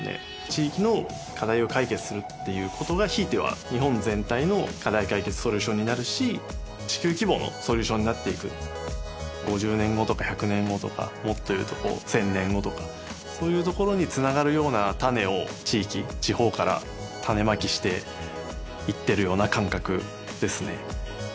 地域の課題を解決するっていうことがひいては日本全体の課題解決ソリューションになるし地球規模のソリューションになっていく５０年後とか１００年後とかもっというと１０００年後とかそういうところにつながるような種を地域地方から種まきしていってるような感覚ですね